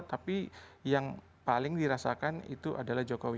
tapi yang paling dirasakan itu adalah jokowi